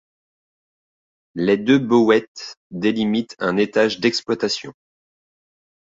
Les deux bowettes délimitent un étage d'exploitation.